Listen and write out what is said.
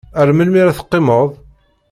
Ar melmi ara teqqimeḍ?